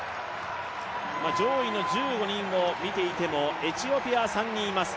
上位の１５人を見ていても、エチオピアは３人います。